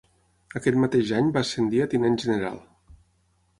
Aquest mateix any va ascendir a tinent general.